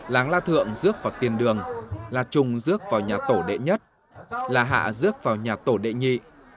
làng la thượng rước vào tiền đường la trung rước vào nhà tổ đệ nhất la hạ rước vào nhà tổ đệ nhị